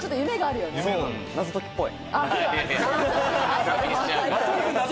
謎解きっぽい。